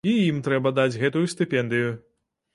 І ім трэба даць гэтую стыпендыю.